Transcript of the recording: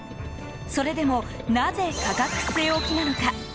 それでもなぜ価格据え置きなのか。